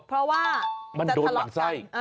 เพราะว่ามันโดนหมั่นไส้